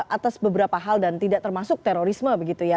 atas beberapa hal dan tidak termasuk terorisme begitu ya